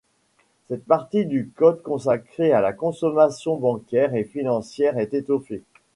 Cette partie du Code consacrée à la consommation bancaire et financière est étoffée.